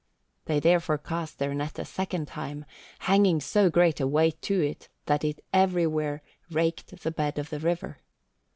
They therefore cast their net a second time, hanging so great a weight to it that it everywhere raked the bed of the river.